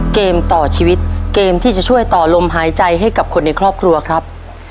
เกมต่อชีวิตเกมที่จะช่วยต่อลมหายใจให้กับคนในครอบครัวครับ